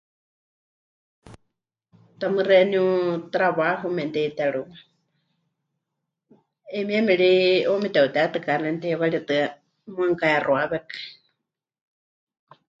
Tamɨ́ xeeníu trabajo memɨte'itérɨwa, 'ayumieme ri 'uuwa mete'utetɨka xeeníu teiwaritɨ́a, muuwa mɨkahexuawekɨ.